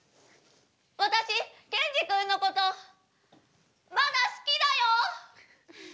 私ケンジ君のことまだ好きだよ。